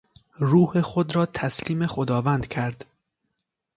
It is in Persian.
روح خود را تسلیم خداوند کرد.